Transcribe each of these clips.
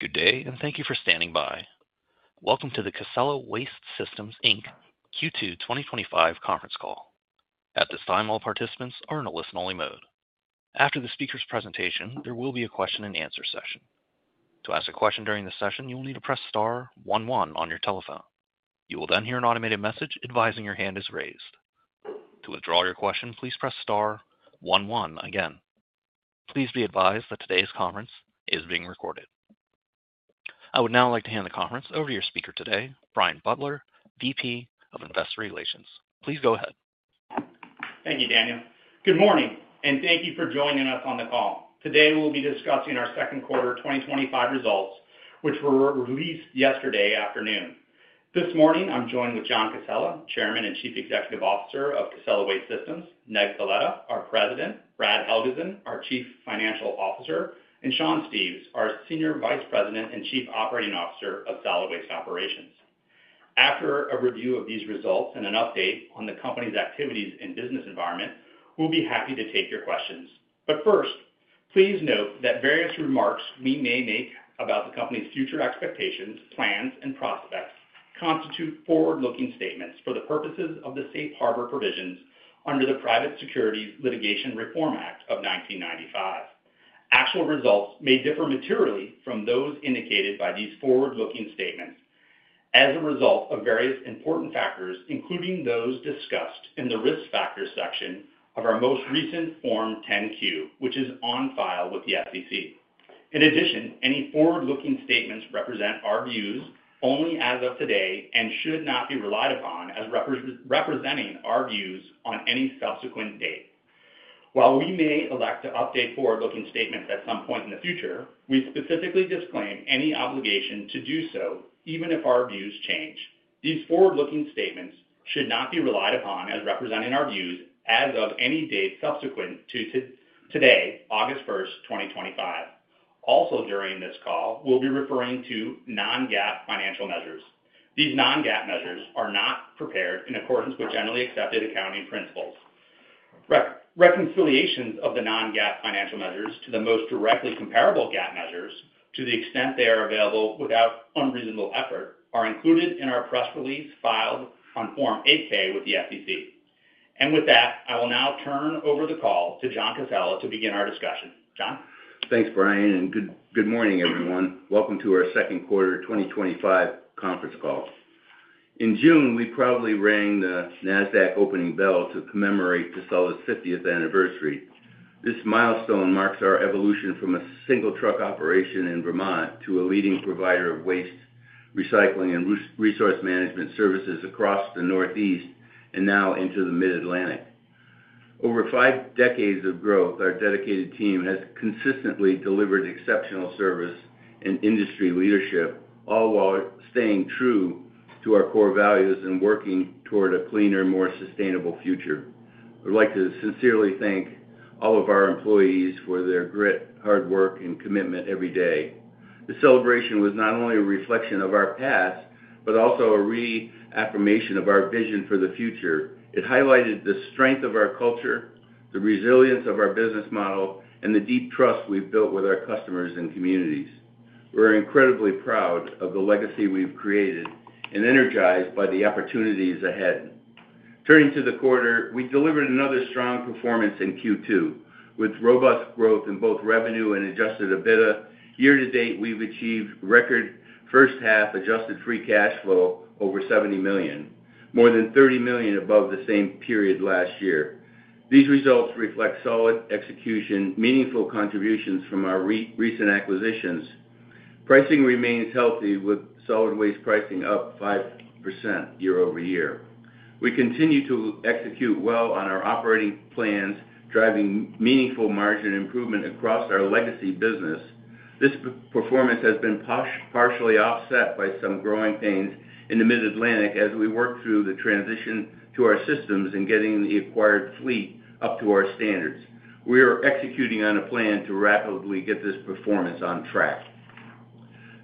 Good day, and thank you for standing by. Welcome to the Casella Waste Systems, Inc Q2 2025 Conference Call. At this time, all participants are in a listen-only mode. After the speaker's presentation, there will be a question and answer session. To ask a question during this session, you will need to press *11 on your telephone. You will then hear an automated message advising your hand is raised. To withdraw your question, please press *11 again. Please be advised that today's conference is being recorded. I would now like to hand the conference over to your speaker today, Brian Butler, VP of Investor Relations. Please go ahead. Thank you, Daniel. Good morning, and thank you for joining us on the call. Today, we'll be discussing our Second Quarter 2025 results, which were released yesterday afternoon. This morning, I'm joined with John Casella, Chairman and Chief Executive Officer of Casella Waste Systems, Ned Coletta, our President, Bradford Helgeson, our Chief Financial Officer, and Sean Steves, our Senior Vice President and Chief Operating Officer of Casella Waste Operations. After a review of these results and an update on the company's activities and business environment, we'll be happy to take your questions. Please note that various remarks we may make about the company's future expectations, plans, and prospects constitute forward-looking statements for the purposes of the Safe Harbor provisions under the Private Securities Litigation Reform Act of 1995. Actual results may differ materially from those indicated by these forward-looking statements as a result of various important factors, including those discussed in the Risk Factors section of our most recent Form 10-Q, which is on file with the SEC. In addition, any forward-looking statements represent our views only as of today and should not be relied upon as representing our views on any subsequent date. While we may elect to update forward-looking statements at some point in the future, we specifically disclaim any obligation to do so, even if our views change. These forward-looking statements should not be relied upon as representing our views as of any date subsequent to today, August 1st, 2025. Also, during this call, we'll be referring to non-GAAP financial measures. These non-GAAP measures are not prepared in accordance with generally accepted accounting principles. Reconciliations of the non-GAAP financial measures to the most directly comparable GAAP measures, to the extent they are available without unreasonable effort, are included in our press release filed on Form 8-K with the SEC. With that, I will now turn over the call to John Casella to begin our discussion. John? Thanks, Brian, and good morning, everyone. Welcome to our Second Quarter 2025 Conference Call. In June, we proudly rang the NASDAQ opening bell to commemorate Casella's 50th anniversary. This milestone marks our evolution from a single truck operation in Vermont to a leading provider of waste, recycling, and resource management services across the Northeast and now into the Mid-Atlantic. Over five decades of growth, our dedicated team has consistently delivered exceptional service and industry leadership, all while staying true to our core values and working toward a cleaner, more sustainable future. I would like to sincerely thank all of our employees for their grit, hard work, and commitment every day. The celebration was not only a reflection of our past but also a reaffirmation of our vision for the future. It highlighted the strength of our culture, the resilience of our business model, and the deep trust we've built with our customers and communities. We're incredibly proud of the legacy we've created and energized by the opportunities ahead. Turning to the quarter, we delivered another strong performance in Q2 with robust growth in both revenue and adjusted EBITDA. Year-to-date, we've achieved record first-half adjusted free cash flow over $70 million, more than $30 million above the same period last year. These results reflect solid execution and meaningful contributions from our recent acquisitions. Pricing remains healthy with solid waste pricing up 5% year-over-year. We continue to execute well on our operating plans, driving meaningful margin improvement across our legacy business. This performance has been partially offset by some growing pains in the Mid-Atlantic as we work through the transition to our systems and getting the acquired fleet up to our standards. We are executing on a plan to rapidly get this performance on track.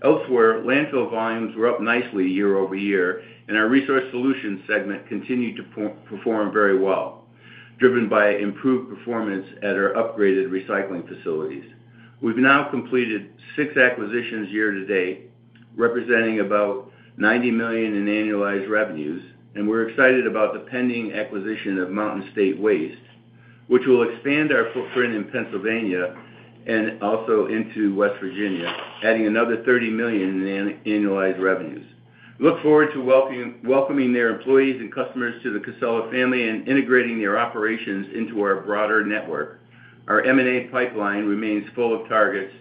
Elsewhere, landfill volumes were up nicely year-over-year, and our resource solutions segment continued to perform very well, driven by improved performance at our upgraded recycling facilities. We've now completed six acquisitions year to date, representing about $90 million in annualized revenues, and we're excited about the pending acquisition of Mountain State Waste, which will expand our footprint in Pennsylvania and also into West Virginia, adding another $30 million in annualized revenues. We look forward to welcoming their employees and customers to the Casella family and integrating their operations into our broader network. Our M&A pipeline remains full of targets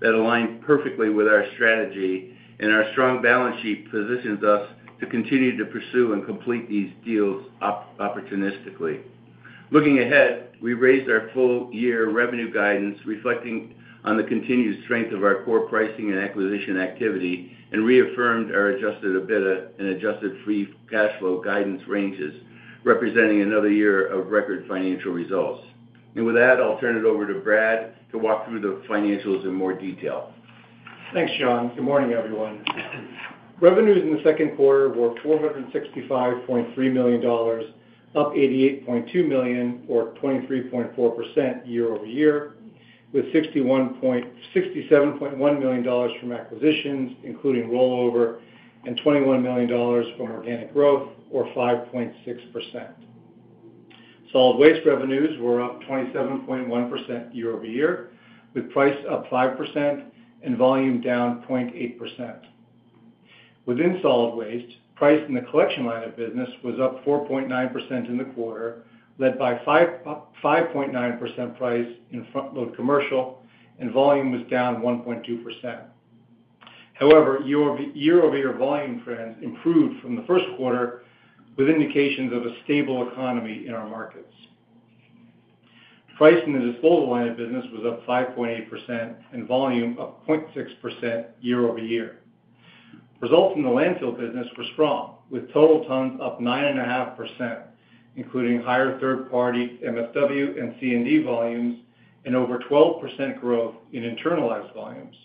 that align perfectly with our strategy, and our strong balance sheet positions us to continue to pursue and complete these deals opportunistically. Looking ahead, we raised our full-year revenue guidance, reflecting the continued strength of our core pricing and acquisition activity, and reaffirmed our adjusted EBITDA and adjusted free cash flow guidance ranges, representing another year of record financial results. With that, I'll turn it over to Brad to walk through the financials in more detail. Thanks, John. Good morning, everyone. Revenues in the second quarter were $465.3 million, up $88.2 million, or 23.4% year-over-year, with $67.1 million from acquisitions, including rollover, and $21 million from organic growth, or 5.6%. Solid waste revenues were up 27.1% year-over-year, with price up 5% and volume down 0.8%. Within solid waste, price in the collection line of business was up 4.9% in the quarter, led by 5.9% price in front-load commercial, and volume was down 1.2%. However, year-over-year volume trends improved from the first quarter, with indications of a stable economy in our markets. Price in the disposal line of business was up 5.8% and volume up 0.6% year-over-year. Results in the landfill business were strong, with total tons up 9.5%, including higher third-party MSW and C&D volumes, and over 12% growth in internalized volumes.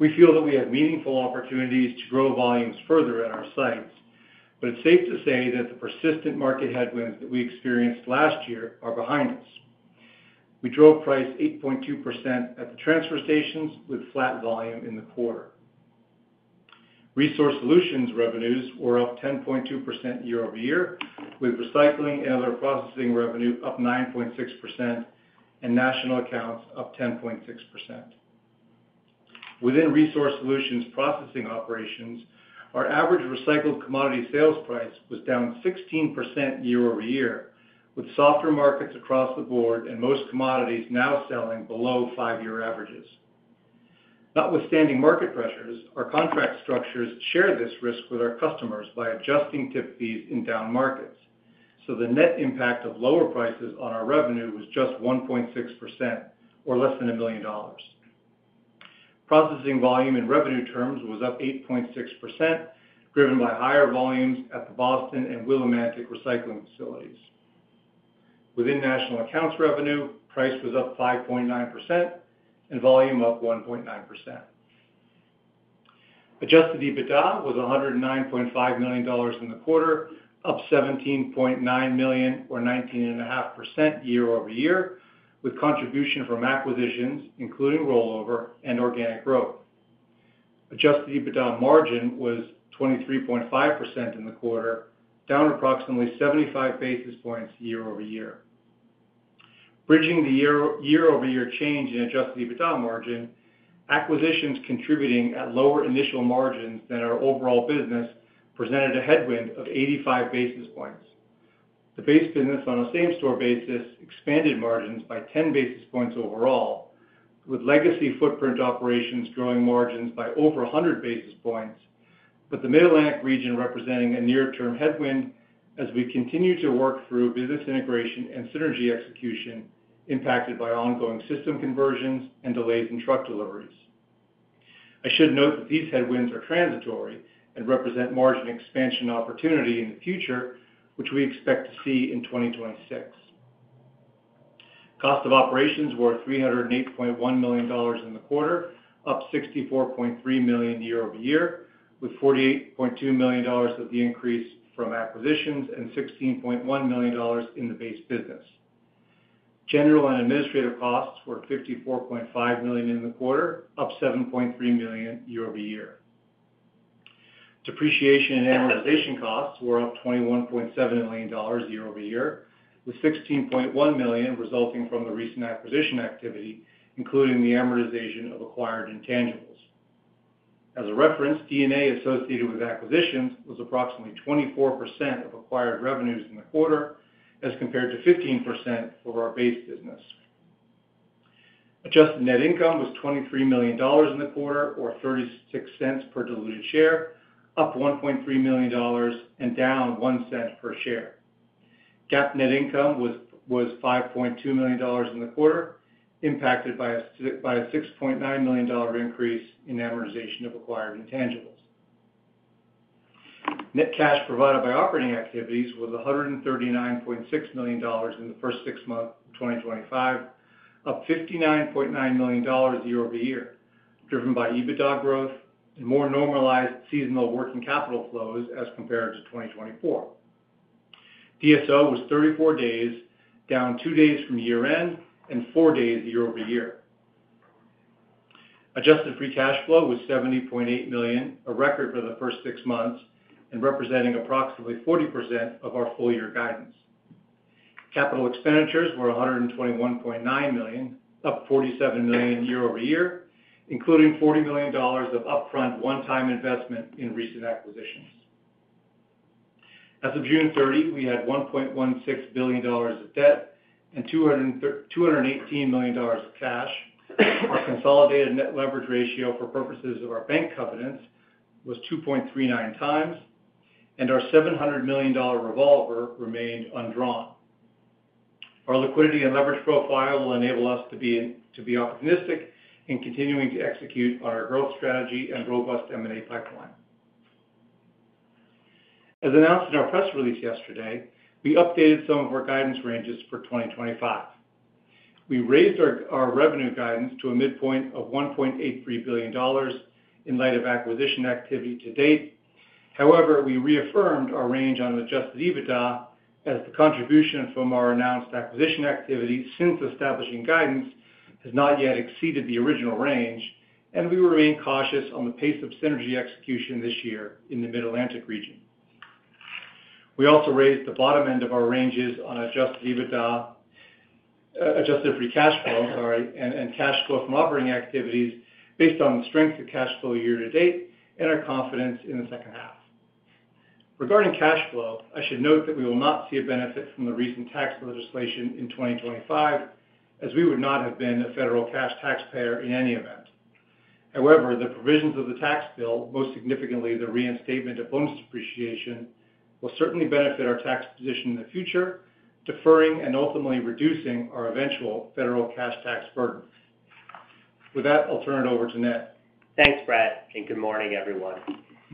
We feel that we have meaningful opportunities to grow volumes further at our sites, but it's safe to say that the persistent market headwinds that we experienced last year are behind us. We drove price 8.2% at the transfer stations, with flat volume in the quarter. Resource solutions revenues were up 10.2% year-over-year, with recycling and other processing revenue up 9.6% and national accounts up 10.6%. Within resource solutions processing operations, our average recycled commodity sales price was down 16% year-over-year, with softer markets across the board and most commodities now selling below five-year averages. Notwithstanding market pressures, our contract structures share this risk with our customers by adjusting tip fees in down markets. The net impact of lower prices on our revenue was just 1.6%, or less than $1 million. Processing volume in revenue terms was up 8.6%, driven by higher volumes at the Boston and Willimantic recycling facilities. Within national accounts revenue, price was up 5.9% and volume up 1.9%. Adjusted EBITDA was $109.5 million in the quarter, up $17.9 million, or 19.5% year-over-year, with contribution from acquisitions, including rollover and organic growth. Adjusted EBITDA margin was 23.5% in the quarter, down approximately 75 basis points year-over-year. Bridging the year-over-year change in adjusted EBITDA margin, acquisitions contributing at lower initial margins than our overall business presented a headwind of 85 basis points. The base business on a same-store basis expanded margins by 10 basis points overall, with legacy footprint operations growing margins by over 100 basis points, with the Mid-Atlantic region representing a near-term headwind as we continue to work through business integration and synergy execution impacted by ongoing system conversions and delays in truck deliveries. I should note that these headwinds are transitory and represent margin expansion opportunity in the future, which we expect to see in 2026. Cost of operations were $308.1 million in the quarter, up $64.3 million year-over-year, with $48.2 million of the increase from acquisitions and $16.1 million in the base business. General and administrative costs were $54.5 million in the quarter, up $7.3 million year-over-year. Depreciation and amortization costs were up $21.7 million year-over-year, with $16.1 million resulting from the recent acquisition activity, including the amortization of acquired intangibles. As a reference, D&A associated with acquisitions was approximately 24% of acquired revenues in the quarter as compared to 15% for our base business. Adjusted net income was $23 million in the quarter, or $0.36 per diluted share, up $1.3 million and down $0.01 per share. GAAP net income was $5.2 million in the quarter, impacted by a $6.9 million increase in amortization of acquired intangibles. Net cash provided by operating activities was $139.6 million in the first six months of 2025, up $59.9 million year-over-year, driven by EBITDA growth and more normalized seasonal working capital flows as compared to 2024. DSO was 34 days, down two days from year-end and four days year-over-year. Adjusted free cash flow was $70.8 million, a record for the first six months and representing approximately 40% of our full-year guidance. Capital expenditures were $121.9 million, up $47 million year-over-year, including $40 million of upfront one-time investment in recent acquisitions. As of June 30, we had $1.16 billion of debt and $218 million of cash. Our consolidated net leverage ratio for purposes of our bank covenants was 2.39x, and our $700 million revolver remained undrawn. Our liquidity and leverage profile will enable us to be opportunistic in continuing to execute on our growth strategy and robust M&A pipeline. As announced in our press release yesterday, we updated some of our guidance ranges for 2025. We raised our revenue guidance to a midpoint of $1.83 billion in light of acquisition activity to date. However, we reaffirmed our range on adjusted EBITDA as the contribution from our announced acquisition activity since establishing guidance has not yet exceeded the original range, and we remain cautious on the pace of synergy execution this year in the Mid-Atlantic region. We also raised the bottom end of our ranges on adjusted free cash flow and cash flow from operating activities based on the strength of cash flow year to date and our confidence in the second half. Regarding cash flow, I should note that we will not see a benefit from the recent tax legislation in 2025, as we would not have been a federal cash taxpayer in any event. However, the provisions of the tax bill, most significantly the reinstatement of bonus depreciation, will certainly benefit our tax position in the future, deferring and ultimately reducing our eventual federal cash tax burden. With that, I'll turn it over to Ned. Thanks, Brad, and good morning, everyone.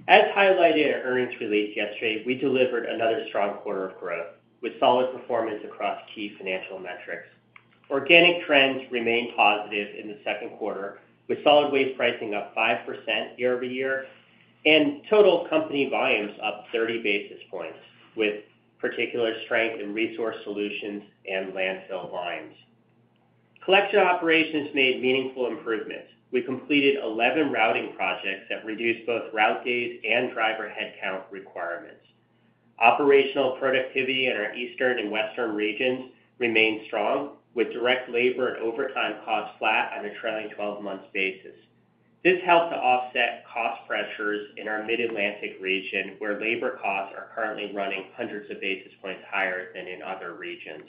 As highlighted in an earnings release yesterday, we delivered another strong quarter of growth with solid performance across key financial metrics. Organic trends remain positive in the second quarter, with solid waste pricing up 5% year-over-year and total company volumes up 30 basis points, with particular strength in resource solutions and landfill volumes. Collection operations made meaningful improvements. We completed 11 routing projects that reduced both route days and driver headcount requirements. Operational productivity in our Eastern and Western regions remains strong, with direct labor and overtime costs flat on a trailing 12-month basis. This helped to offset cost pressures in our Mid-Atlantic region, where labor costs are currently running hundreds of basis points higher than in other regions.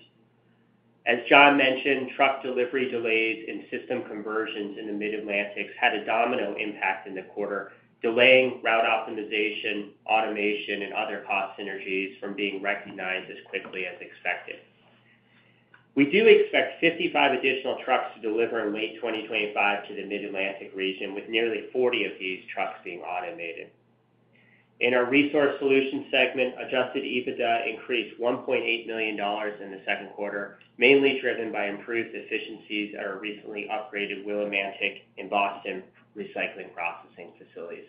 As John mentioned, truck delivery delays and system conversions in the Mid-Atlantic had a domino impact in the quarter, delaying route optimization, automation, and other cost synergies from being recognized as quickly as expected. We do expect 55 additional trucks to deliver in late 2025 to the Mid-Atlantic region, with nearly 40 of these trucks being automated. In our resource solutions segment, adjusted EBITDA increased $1.8 million in the second quarter, mainly driven by improved efficiencies at our recently upgraded Willimantic and Boston recycling processing facilities.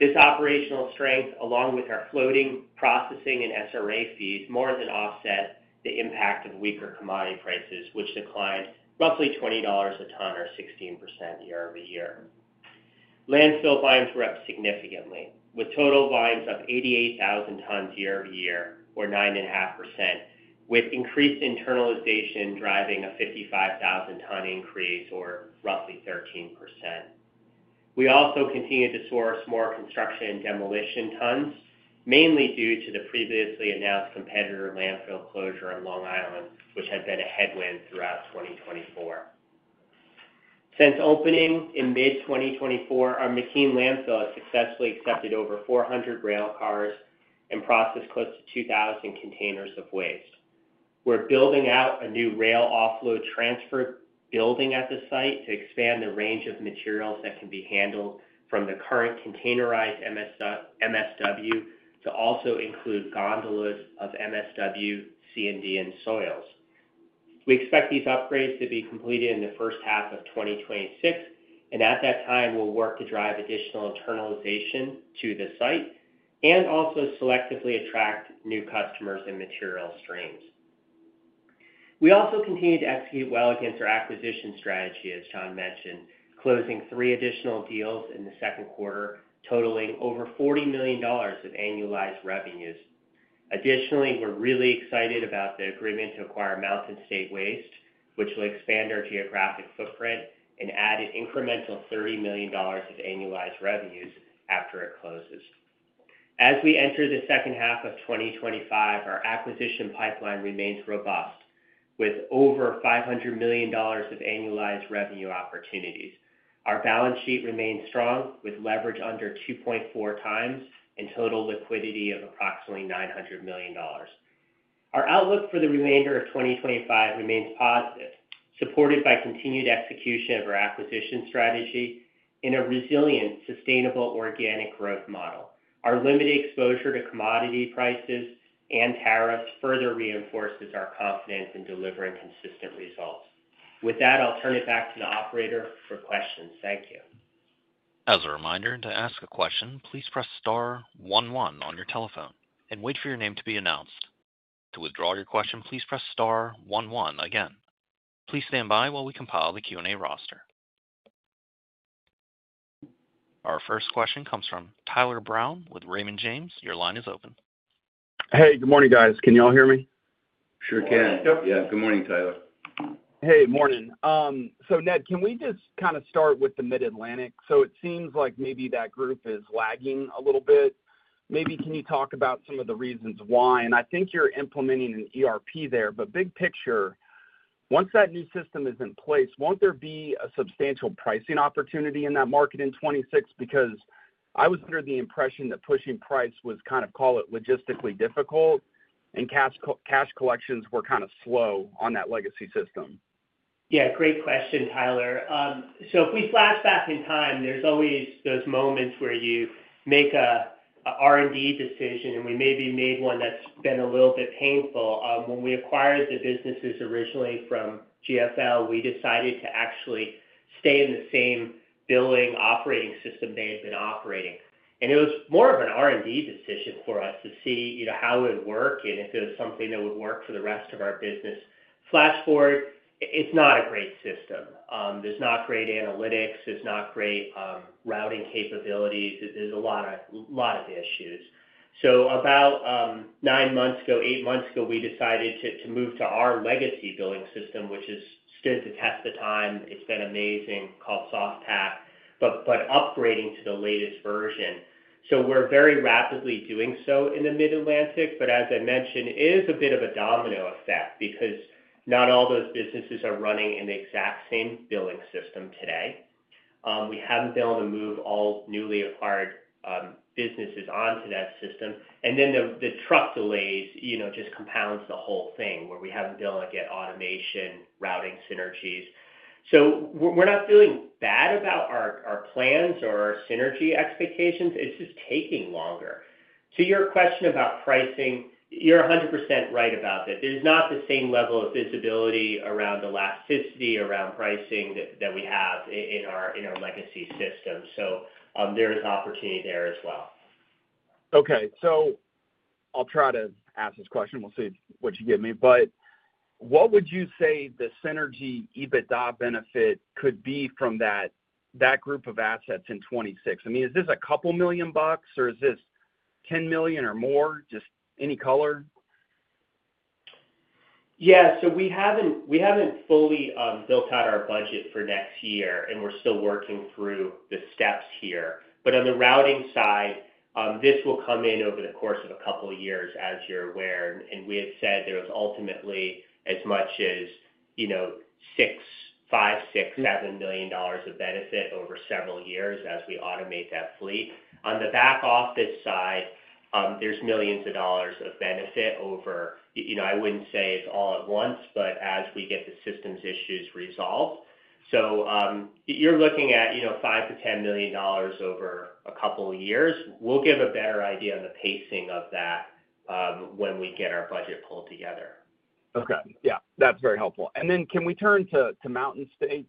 This operational strength, along with our floating processing and SRA fees, more than offset the impact of weaker commodity prices, which declined roughly $20 a ton, or 16% year-over-year. Landfill volumes were up significantly, with total volumes up 88,000 tons year-over-year, or 9.5%, with increased internalization driving a 55,000 ton increase, or roughly 13%. We also continue to source more construction and demolition tons, mainly due to the previously announced competitor landfill closure on Long Island, which had been a headwind throughout 2024. Since opening in mid-2024, our McKean landfill has successfully accepted over 400 rail cars and processed close to 2,000 containers of waste. We're building out a new rail offload transfer building at the site to expand the range of materials that can be handled from the current containerized MSW to also include gondolas of MSW, C&D, and soils. We expect these upgrades to be completed in the first half of 2026, and at that time, we'll work to drive additional internalization to the site and also selectively attract new customers and material streams. We also continue to execute well against our acquisition strategy, as John mentioned, closing three additional deals in the second quarter, totaling over $40 million of annualized revenues. Additionally, we're really excited about the agreement to acquire Mountain State Waste, which will expand our geographic footprint and add an incremental $30 million of annualized revenues after it closes. As we enter the second half of 2025, our acquisition pipeline remains robust, with over $500 million of annualized revenue opportunities. Our balance sheet remains strong, with leverage under 2.4X and total liquidity of approximately $900 million. Our outlook for the remainder of 2025 remains positive, supported by continued execution of our acquisition strategy in a resilient, sustainable organic growth model. Our limited exposure to commodity prices and tariffs further reinforces our confidence in delivering consistent results. With that, I'll turn it back to the operator for questions. Thank you. As a reminder, to ask a question, please press *11 on your telephone and wait for your name to be announced. To withdraw your question, please press *11 again. Please stand by while we compile the Q&A roster. Our first question comes from Tyler Brown with Raymond James. Your line is open. Hey, good morning, guys. Can you all hear me? Sure can. Yeah, good morning, Tyler. Hey, morning. Ned, can we just kind of start with the Mid-Atlantic? It seems like maybe that group is lagging a little bit. Maybe can you talk about some of the reasons why? I think you're implementing an ERP system there, but big picture, once that new system is in place, won't there be a substantial pricing opportunity in that market in 2026? I was under the impression that pushing price was kind of, call it, logistically difficult, and cash collections were kind of slow on that legacy system. Yeah, great question, Tyler. If we flashback in time, there's always those moments where you make an R&D decision, and we maybe made one that's been a little bit painful. When we acquired the businesses originally from GFL, we decided to actually stay in the same billing operating system they had been operating. It was more of an R&D decision for us to see, you know, how it would work and if it was something that would work for the rest of our business. Flash forward, it's not a great system. There's not great analytics. There's not great routing capabilities. There's a lot of issues. About nine months ago, eight months ago, we decided to move to our legacy billing system, which has stood the test of time. It's been amazing, called SoftPak, but upgrading to the latest version. We're very rapidly doing so in the Mid-Atlantic, but as I mentioned, it is a bit of a domino effect because not all those businesses are running in the exact same billing system today. We haven't been able to move all newly acquired businesses onto that system. The truck delays just compound the whole thing where we haven't been able to get automation, routing synergies. We're not feeling bad about our plans or our synergy expectations. It's just taking longer. To your question about pricing, you're 100% right about that. There's not the same level of visibility around elasticity around pricing that we have in our legacy system. There is opportunity there as well. Okay, I'll try to ask this question. We'll see what you give me. What would you say the synergy EBITDA benefit could be from that group of assets in 2026? I mean, is this a couple million bucks, or is this $10 million or more? Just any color? Yeah, we haven't fully built out our budget for next year, and we're still working through the steps here. On the routing side, this will come in over the course of a couple of years, as you're aware. We had said there was ultimately as much as $5 million, $6 million, $7 million of benefit over several years as we automate that fleet. On the back office side, there's millions of dollars of benefit over, I wouldn't say it's all at once, as we get the systems issues resolved. You're looking at $5 million-$10 million over a couple of years. We'll give a better idea on the pacing of that when we get our budget pulled together. Okay, yeah, that's very helpful. Can we turn to Mountain State?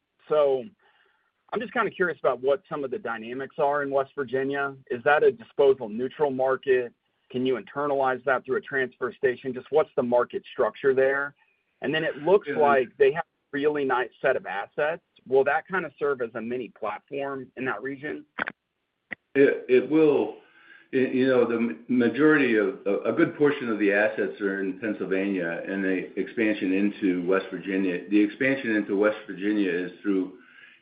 I'm just kind of curious about what some of the dynamics are in West Virginia. Is that a disposal neutral market? Can you internalize that through a transfer station? Just what's the market structure there? It looks like they have a really nice set of assets. Will that kind of serve as a mini platform in that region? It will. You know, the majority of a good portion of the assets are in Pennsylvania and the expansion into West Virginia. The expansion into West Virginia is through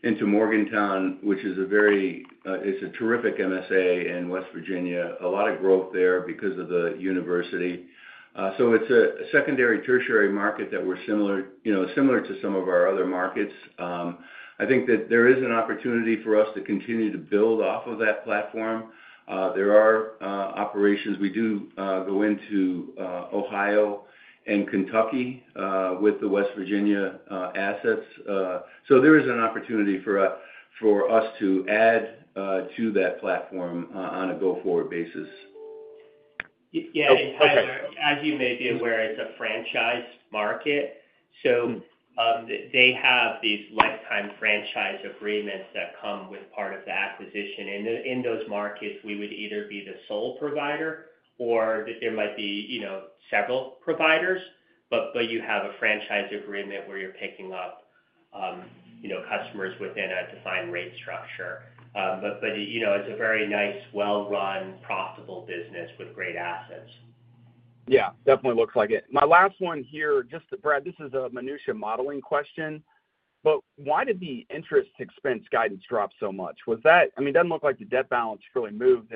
into Morgantown, which is a very, it's a terrific MSA in West Virginia, a lot of growth there because of the university. It's a secondary tertiary market that we're similar, you know, similar to some of our other markets. I think that there is an opportunity for us to continue to build off of that platform. There are operations we do go into Ohio and Kentucky with the West Virginia assets. There is an opportunity for us to add to that platform on a go-forward basis. Yeah, and Tyler, as you may be aware, it's a franchise market. They have these lifetime franchise agreements that come with part of the acquisition. In those markets, we would either be the sole provider or there might be several providers, but you have a franchise agreement where you're picking up customers within a defined rate structure. It's a very nice, well-run, profitable business with great assets. Yeah, definitely looks like it. My last one here, just Brad, this is a minutia modeling question. Why did the interest expense guidance drop so much? Was that, I mean, it doesn't look like the debt balance really moved,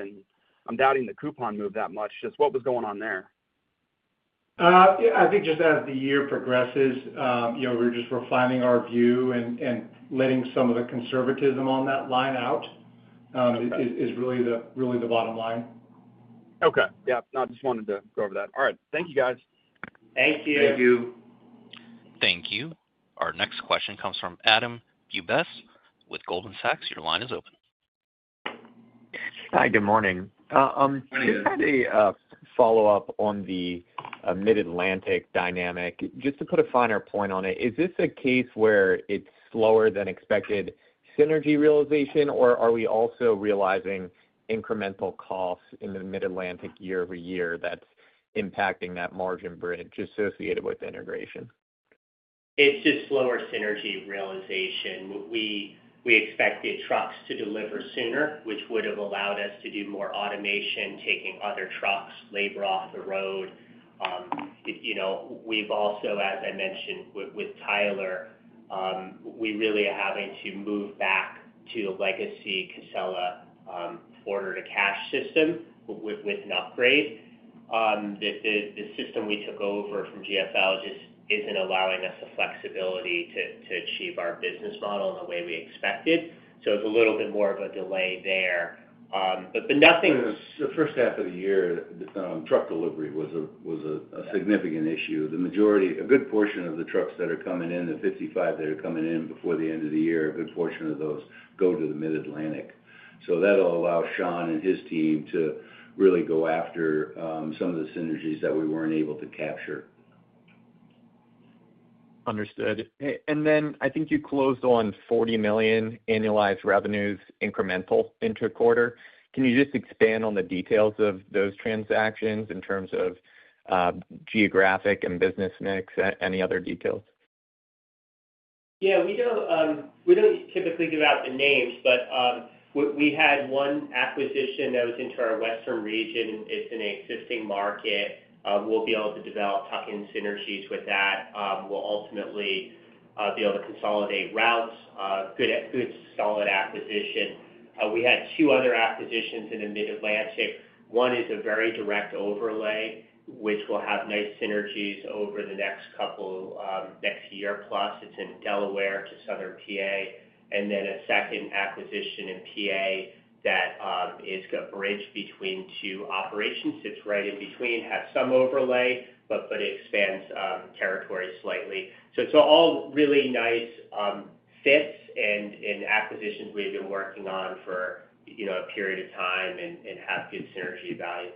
and I'm doubting the coupon moved that much. Just what was going on there? I think just as the year progresses, you know, we're just refining our view and letting some of the conservatism on that line out is really the bottom line. Okay, yeah, no, I just wanted to go over that. All right, thank you, guys. Thank you. Thank you. Thank you. Our next question comes from Adam Bubes with Goldman Sachs. Your line is open. Hi, good morning. Just had a follow-up on the Mid-Atlantic dynamic. Just to put a finer point on it, is this a case where it's slower than expected synergy realization, or are we also realizing incremental costs in the Mid-Atlantic year-over-year that's impacting that margin bridge associated with integration? It's just slower synergy realization. We expected trucks to deliver sooner, which would have allowed us to do more automation, taking other trucks, labor off the road. As I mentioned with Tyler, we really are having to move back to the legacy Casella order-to-cash system with an upgrade. The system we took over from GFL just isn't allowing us the flexibility to achieve our business model in the way we expected. It's a little bit more of a delay there. Nothing. The first half of the year, truck delivery was a significant issue. The majority, a good portion of the trucks that are coming in, the 55 that are coming in before the end of the year, a good portion of those go to the Mid-Atlantic. That will allow Sean and his team to really go after some of the synergies that we weren't able to capture. Understood. I think you closed on $40 million annualized revenues incremental interquarter. Can you just expand on the details of those transactions in terms of geographic and business mix? Any other details? Yeah, we don't typically give out the names, but we had one acquisition that was into our Western region. It's an existing market. We'll be able to develop tuck-in synergies with that. We'll ultimately be able to consolidate routes. Good, solid acquisition. We had two other acquisitions in the Mid-Atlantic. One is a very direct overlay, which will have nice synergies over the next couple of next year plus. It's in Delaware to southern Pennsylvania. Then a second acquisition in Pennsylvania that is a bridge between two operations. It's right in between, has some overlay, but it expands territory slightly. It's all really nice fits and acquisitions we've been working on for a period of time and have good synergy value.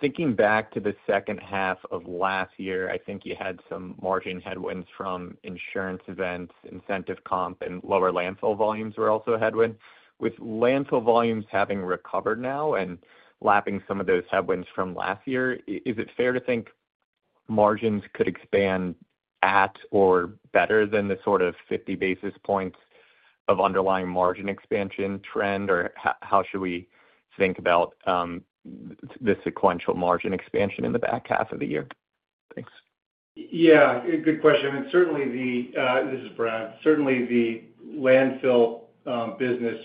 Thinking back to the second half of last year, I think you had some margin headwinds from insurance events, incentive comp, and lower landfill volumes were also a headwind. With landfill volumes having recovered now and lapping some of those headwinds from last year, is it fair to think margins could expand at or better than the sort of 50 basis points of underlying margin expansion trend, or how should we think about the sequential margin expansion in the back half of the year? Thanks. Yeah, good question. This is Brad. Certainly the landfill business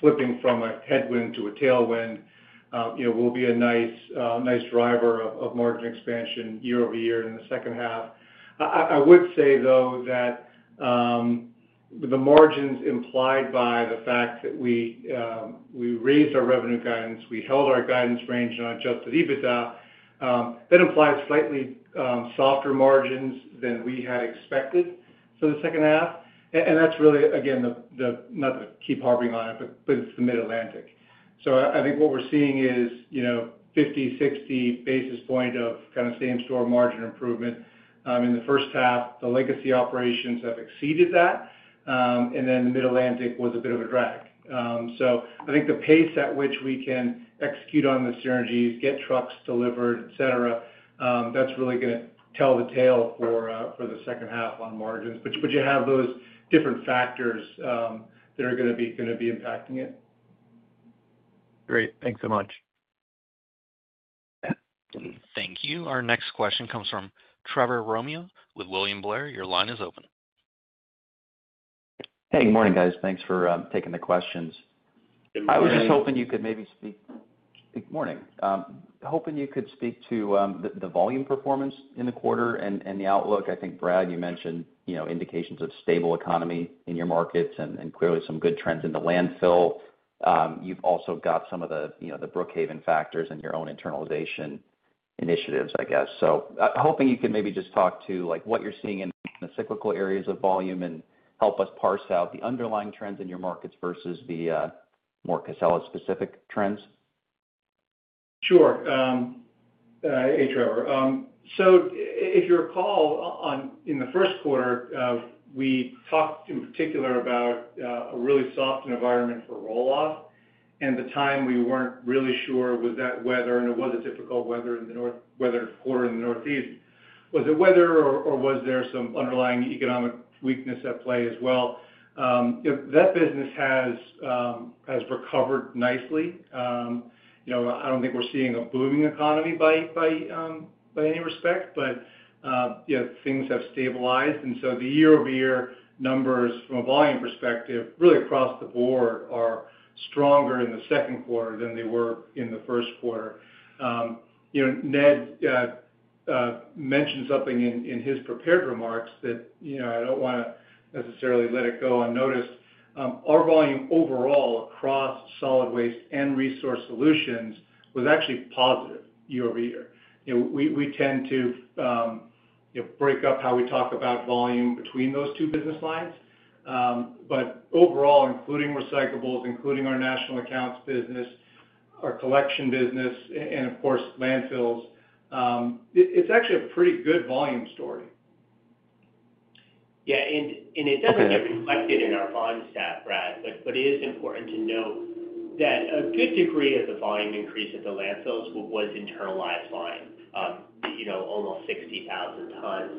flipping from a headwind to a tailwind will be a nice driver of margin expansion year-over-year in the second half. I would say, though, that the margins implied by the fact that we raised our revenue guidance, we held our guidance range and adjusted EBITDA, that implied slightly softer margins than we had expected for the second half. That's really, again, not to keep harping on it, but it's the Mid-Atlantic. I think what we're seeing is 50, 60 basis points of kind of same-store margin improvement. In the first half, the legacy operations have exceeded that, and then the Mid-Atlantic was a bit of a drag. I think the pace at which we can execute on the synergies, get trucks delivered, etc., that's really going to tell the tale for the second half on margins. You have those different factors that are going to be impacting it. Great, thanks so much. Thank you. Our next question comes from Trevor Romeo with William Blair. Your line is open. Hey, good morning, guys. Thanks for taking the questions. I was just hoping you could maybe speak, good morning. Hoping you could speak to the volume performance in the quarter and the outlook. I think, Brad, you mentioned indications of stable economy in your markets and clearly some good trends in the landfill. You've also got some of the Brookhaven factors in your own internalization initiatives, I guess. Hoping you could maybe just talk to what you're seeing in the cyclical areas of volume and help us parse out the underlying trends in your markets versus the more Casella-specific trends. Sure. Hey, Trevor. If you recall, in the first quarter, we talked in particular about a really soft environment for roll-off. At the time we weren't really sure was that weather, and it was a difficult weather quarter in the Northeast. Was it weather, or was there some underlying economic weakness at play as well? That business has recovered nicely. I don't think we're seeing a booming economy by any respect, but things have stabilized. The year-over-year numbers from a volume perspective, really across the board, are stronger in the second quarter than they were in the first quarter. Ned mentioned something in his prepared remarks that I don't want to necessarily let go unnoticed. Our volume overall across solid waste and resource solutions was actually positive year-over-year. We tend to break up how we talk about volume between those two business lines. Overall, including recyclables, including our national accounts business, our collection business, and of course, landfills, it's actually a pretty good volume story. Yeah, and it doesn't get reflected in our bond stock, Brad, but it is important to note that a good degree of the volume increase at the landfills was internalized volume, you know, almost 60,000 tons.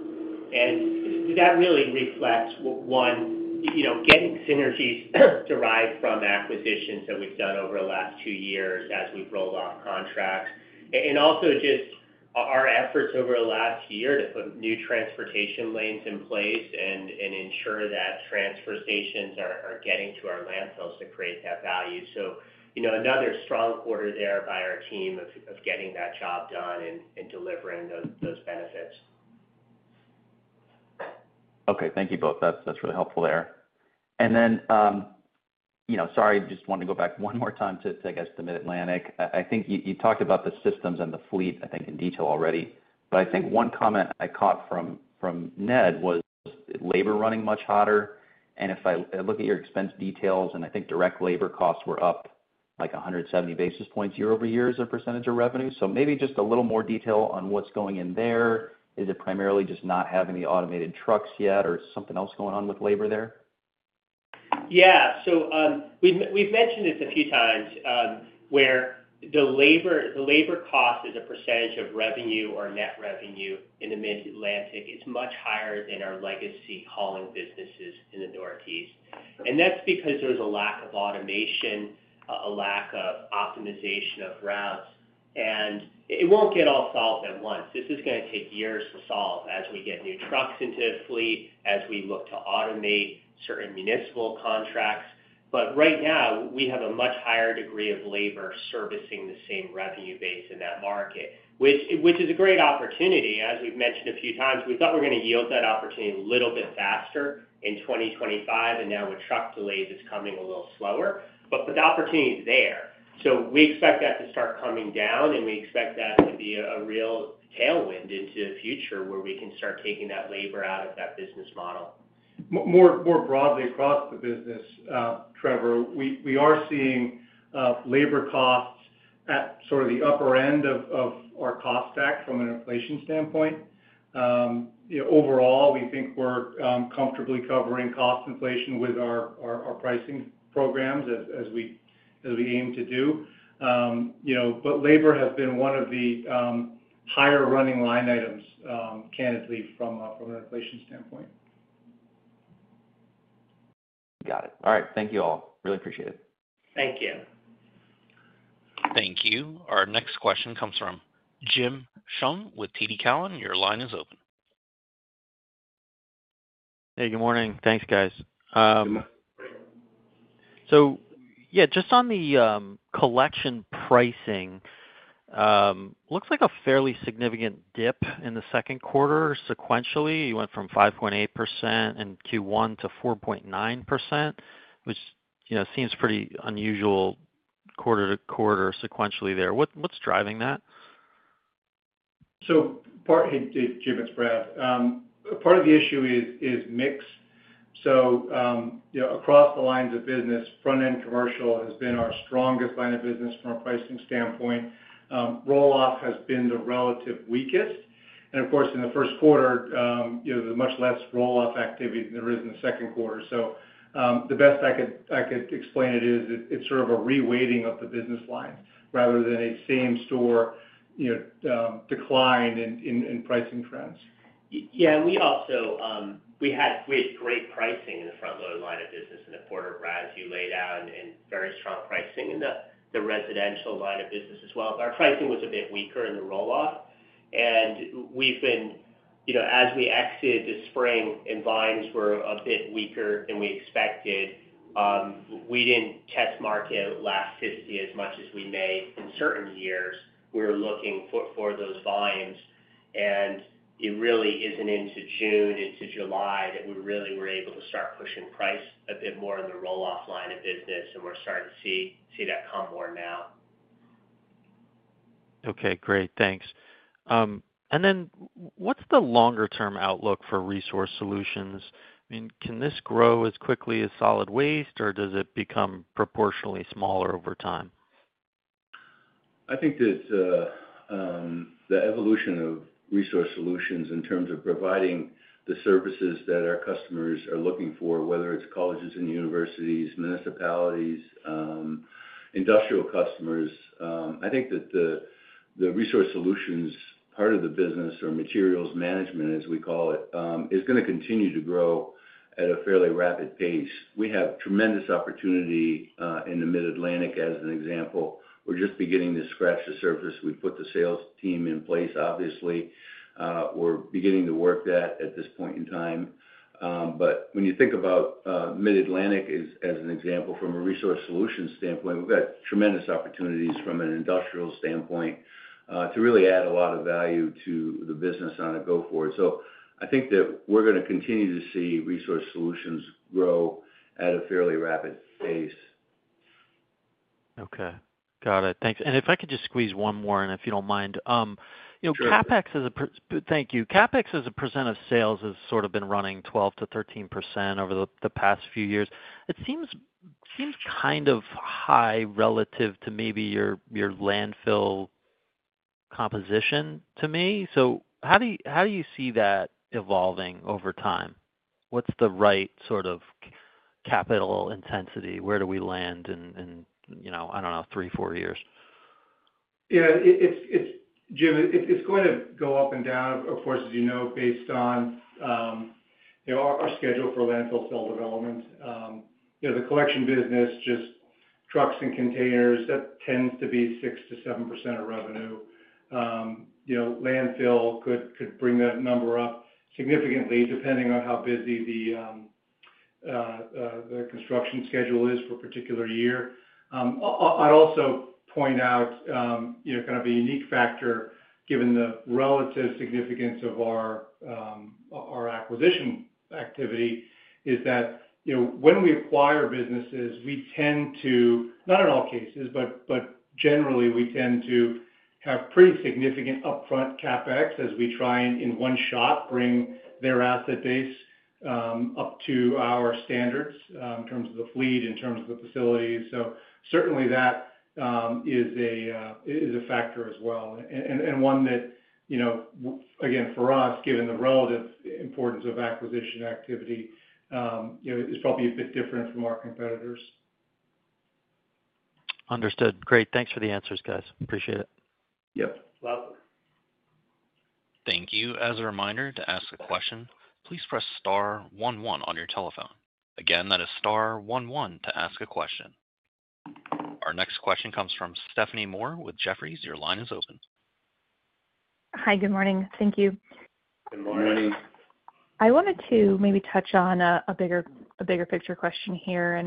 That really reflects, one, getting synergies derived from acquisitions that we've done over the last two years as we've rolled off contracts, and also just our efforts over the last year to put new transportation lanes in place and ensure that transfer stations are getting to our landfills to create that value. Another strong quarter there by our team of getting that job done and delivering those benefits. Okay, thank you both. That's really helpful there. Sorry, just wanted to go back one more time to, I guess, the Mid-Atlantic. I think you talked about the systems and the fleet, I think, in detail already. I think one comment I caught from Ned was labor running much hotter. If I look at your expense details, I think direct labor costs were up like 170 basis points year-over-year as a percentage of revenue. Maybe just a little more detail on what's going in there. Is it primarily just not having the automated trucks yet, or is something else going on with labor there? Yeah, so we've mentioned this a few times, where the labor cost as a % of revenue or net revenue in the Mid-Atlantic is much higher than our legacy hauling businesses in the Northeast. That's because there's a lack of automation, a lack of optimization of routes. It won't get all solved at once. This is going to take years to solve as we get new trucks into a fleet, as we look to automate certain municipal contracts. Right now, we have a much higher degree of labor servicing the same revenue base in that market, which is a great opportunity. As we've mentioned a few times, we thought we were going to yield that opportunity a little bit faster in 2025. Now with truck delays, it's coming a little slower. The opportunity is there. We expect that to start coming down, and we expect that to be a real tailwind into the future where we can start taking that labor out of that business model. More broadly across the business, Trevor, we are seeing labor costs at sort of the upper end of our cost stack from an inflation standpoint. Overall, we think we're comfortably covering cost inflation with our pricing programs as we aim to do. Labor has been one of the higher running line items, candidly, from an inflation standpoint. Got it. All right, thank you all. Really appreciate it. Thank you. Thank you. Our next question comes from Jim Schumm with TD Cowen. Your line is open. Hey, good morning. Thanks, guys. On the collection pricing, it looks like a fairly significant dip in the second quarter sequentially. You went from 5.8% in Q1 to 4.9%, which seems pretty unusual quarter to quarter sequentially there. What's driving that? Hey, Jim, it's Brad. Part of the issue is mix. Across the lines of business, front-end commercial has been our strongest line of business from a pricing standpoint. Roll-off has been the relative weakest. In the first quarter, you have much less roll-off activity than there is in the second quarter. The best I could explain it is it's sort of a reweighting of the business lines rather than a same-store decline in pricing trends. Yeah, we also had great pricing in the front-load line of business in the port of Braz. You laid out very strong pricing in the residential line of business as well. Our pricing was a bit weaker in the roll-off. As we exited the spring and volumes were a bit weaker than we expected, we didn't test market last 50 as much as we may in certain years. We were looking for those volumes. It really isn't into June, into July that we were able to start pushing price a bit more in the roll-off line of business. We're starting to see that come more now. Okay, great. Thanks. What's the longer-term outlook for resource solutions? I mean, can this grow as quickly as solid waste, or does it become proportionately smaller over time? I think that the evolution of resource solutions in terms of providing the services that our customers are looking for, whether it's colleges and universities, municipalities, industrial customers, I think that the resource solutions part of the business, or materials management as we call it, is going to continue to grow at a fairly rapid pace. We have tremendous opportunity in the Mid-Atlantic as an example. We're just beginning to scratch the surface. We put the sales team in place, obviously. We're beginning to work that at this point in time. When you think about Mid-Atlantic as an example from a resource solutions standpoint, we've got tremendous opportunities from an industrial standpoint to really add a lot of value to the business on a go-forward. I think that we're going to continue to see resource solutions grow at a fairly rapid pace. Okay, got it. Thanks. If I could just squeeze one more, if you don't mind, you know, CapEx as a, thank you. CapEx as a % of sales has sort of been running 12% to 13% over the past few years. It seems kind of high relative to maybe your landfill composition to me. How do you see that evolving over time? What's the right sort of capital intensity? Where do we land in, you know, I don't know, three, four years? Yeah, Jim, it's going to go up and down, of course, as you know, based on our schedule for landfill cell development. The collection business, just trucks and containers, that tends to be 6% to 7% of revenue. Landfill could bring that number up significantly depending on how busy the construction schedule is for a particular year. I'd also point out a unique factor given the relative significance of our acquisition activity is that when we acquire businesses, we tend to, not in all cases, but generally, we tend to have pretty significant upfront CapEx as we try and in one shot bring their asset base up to our standards in terms of the fleet, in terms of the facilities. Certainly that is a factor as well. For us, given the relative importance of acquisition activity, it is probably a bit different from our competitors. Understood. Great. Thanks for the answers, guys. Appreciate it. Yep. Thank you. As a reminder, to ask a question, please press *11 on your telephone. Again, that is *11 to ask a question. Our next question comes from Stephanie Moore with Jefferies. Your line is open. Hi, good morning. Thank you. Good morning. I wanted to maybe touch on a bigger picture question here.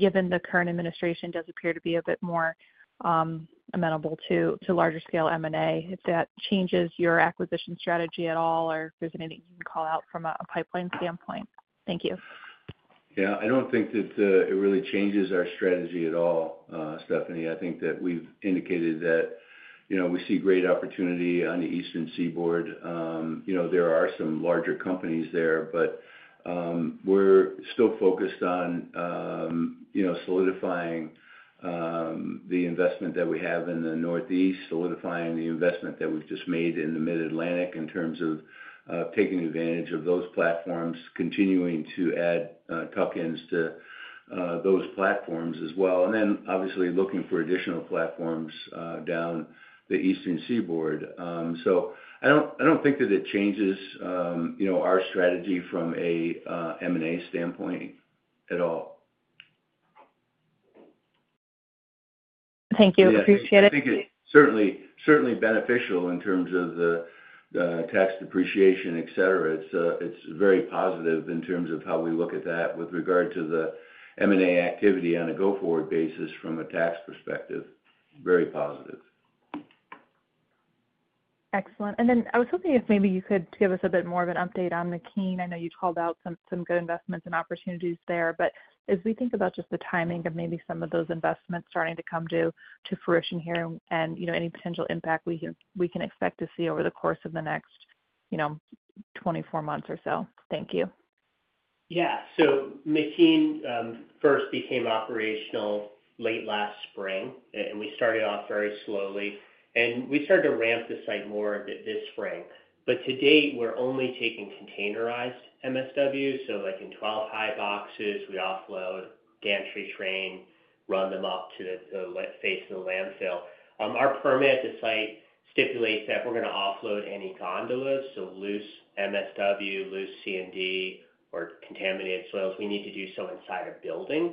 Given the current administration does appear to be a bit more amenable to larger scale M&A, if that changes your acquisition strategy at all, or if there's anything you can call out from a pipeline standpoint. Thank you. Yeah, I don't think that it really changes our strategy at all, Stephanie. I think that we've indicated that, you know, we see great opportunity on the Eastern Seaboard. There are some larger companies there, but we're still focused on solidifying the investment that we have in the Northeast, solidifying the investment that we've just made in the Mid-Atlantic in terms of taking advantage of those platforms, continuing to add tuck-ins to those platforms as well. Obviously, looking for additional platforms down the Eastern Seaboard. I don't think that it changes our strategy from an M&A standpoint at all. Thank you. Appreciate it. I think it's certainly beneficial in terms of the tax depreciation, etc. It's very positive in terms of how we look at that with regard to the M&A activity on a go-forward basis from a tax perspective. Very positive. Excellent. I was hoping if maybe you could give us a bit more of an update on McKean. I know you called out some good investments and opportunities there. As we think about just the timing of maybe some of those investments starting to come to fruition here and, you know, any potential impact we can expect to see over the course of the next 24 months or so. Thank you. Yeah, so McKean first became operational late last spring, and we started off very slowly. We started to ramp this site more a bit this spring. To date, we're only taking containerized MSW. So like in 12 high boxes, we offload, gantry train, run them up to the face of the landfill. Our permit at the site stipulates that we're going to offload any gondolas, so loose MSW, loose C&D, or contaminated soils. We need to do so inside a building.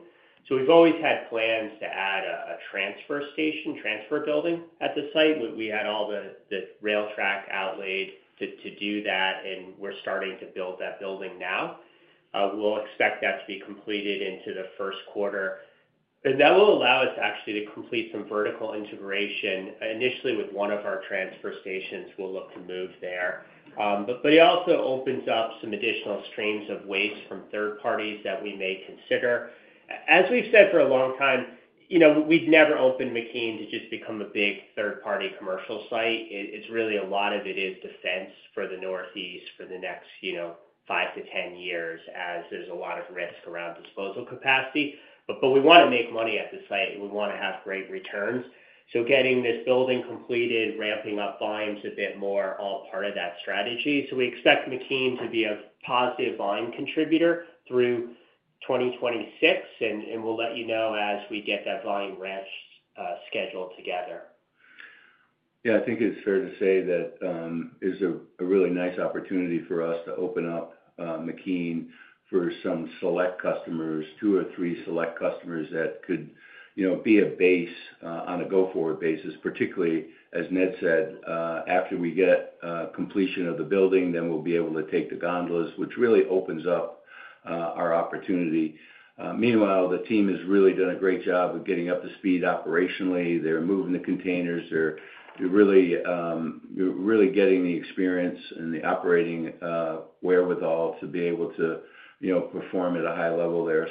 We've always had plans to add a transfer station, transfer building at the site. We had all the rail track outlaid to do that, and we're starting to build that building now. We'll expect that to be completed into the first quarter. That will allow us actually to complete some vertical integration. Initially, with one of our transfer stations, we'll look to move there. It also opens up some additional streams of waste from third parties that we may consider. As we've said for a long time, we've never opened McKean to just become a big third-party commercial site. It's really a lot of it is defense for the Northeast for the next 5 to 10 years as there's a lot of risk around disposal capacity. We want to make money at the site. We want to have great returns. Getting this building completed, ramping up volumes a bit more, all part of that strategy. We expect McKean to be a positive volume contributor through 2026. We'll let you know as we get that volume ramp scheduled together. Yeah, I think it's fair to say that it's a really nice opportunity for us to open up McKean for some select customers, two or three select customers that could be a base on a go-forward basis, particularly as Ned said, after we get completion of the building, then we'll be able to take the gondolas, which really opens up our opportunity. Meanwhile, the team has really done a great job of getting up to speed operationally. They're moving the containers. They're really getting the experience and the operating wherewithal to be able to perform at a high level there.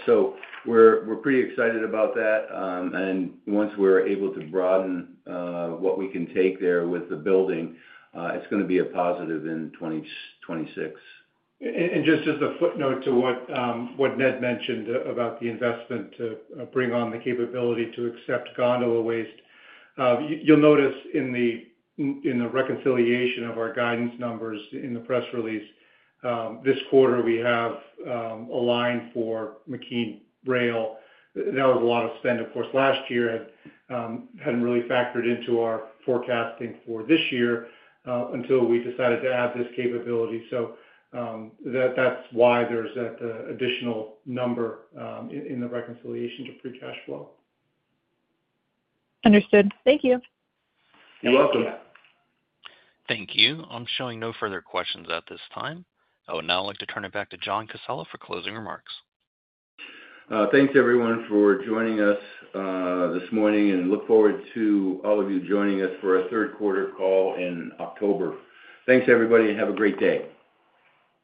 We're pretty excited about that. Once we're able to broaden what we can take there with the building, it's going to be a positive in 2026. As a footnote to what Ned mentioned about the investment to bring on the capability to accept gondola waste, you'll notice in the reconciliation of our guidance numbers in the press release, this quarter we have a line for McKean rail. That was a lot of spend last year, hadn't really factored into our forecasting for this year until we decided to add this capability. That's why there's that additional number in the reconciliation to free cash flow. Understood. Thank you. You're welcome. Thank you. I'm showing no further questions at this time. I would now like to turn it back to John W. Casella for closing remarks. Thanks, everyone, for joining us this morning, and look forward to all of you joining us for our third quarter call in October. Thanks, everybody, and have a great day.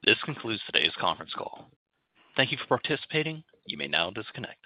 This concludes today's conference call. Thank you for participating. You may now disconnect.